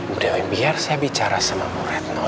bu dewi biar saya bicara sama bu retno